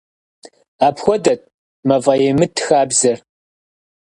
Апхуэдэт «мафӏэемыт» хабзэр.